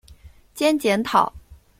兼检讨。